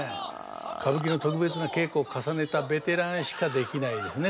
歌舞伎の特別な稽古を重ねたベテランしかできないですね